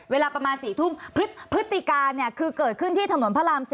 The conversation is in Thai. เวลาประมาณ๔ทุ่มพฤติการคือเกิดขึ้นที่ถนนพระราม๔